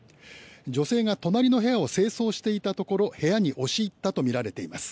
助成が隣の部屋を清掃していたところ部屋に押し入ったとみられています。